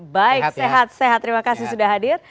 baik sehat sehat terima kasih sudah hadir